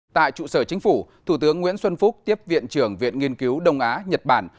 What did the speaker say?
tại trụ sở chính phủ thủ tướng nguyễn xuân phúc tiếp viện trưởng viện nghiên cứu đông á nhật bản